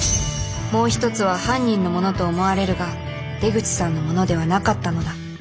もう一つは犯人のものと思われるが出口さんのものではなかったのだ。